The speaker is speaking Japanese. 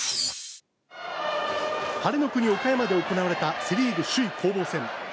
晴れの国、岡山で行われたセ・リーグ首位攻防戦。